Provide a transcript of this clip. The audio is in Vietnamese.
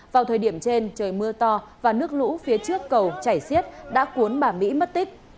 vào thời điểm trên trời mưa to và nước lũ phía trước cầu chảy xiết đã cuốn bà mỹ mất tích